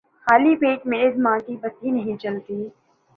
خالی پیٹ میرے دماغ کی بتی نہیں جلتی